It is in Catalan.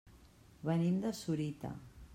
Venim de Sorita.